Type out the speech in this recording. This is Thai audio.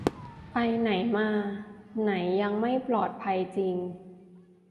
ไปไหนมาไหนยังไม่ปลอดภัยจริง